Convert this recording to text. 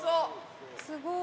すごい。